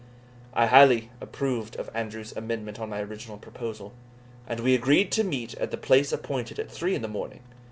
I highly approved of Andrew's amendment on my original proposal, and we agreed to meet at the place appointed at three in the morning.